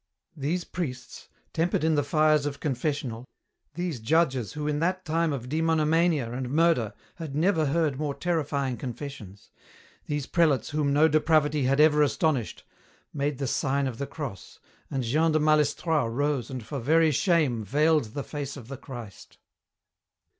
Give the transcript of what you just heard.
These priests, tempered in the fires of confessional, these judges who in that time of demonomania and murder had never heard more terrifying confessions, these prelates whom no depravity had ever astonished, made the sign of the Cross, and Jean de Malestroit rose and for very shame veiled the face of the Christ.